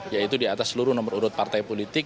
yaitu di atas seluruh nomor urut partai politik